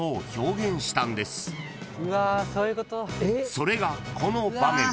［それがこの場面］